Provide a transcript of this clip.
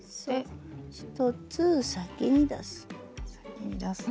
１つ先に出す。